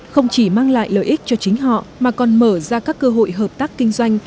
không chỉ mang lại lợi ích cho chính họ mà còn mở ra các cơ hội hợp tác kinh doanh